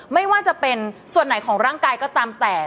ไม่ว่าจะเป็นส่วนไหนของร่างกายก็ตามแต่